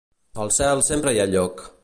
Al cel sempre hi ha lloc.